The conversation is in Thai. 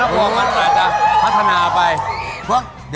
ต้องระวังน้าพวงค่ะ